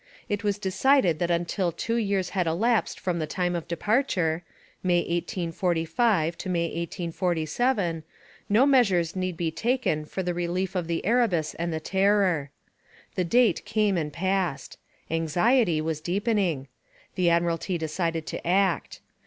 It was decided that until two years had elapsed from the time of departure (May 1845 to May 1847) no measures need be taken for the relief of the Erebus and the Terror. The date came and passed. Anxiety was deepening. The Admiralty decided to act.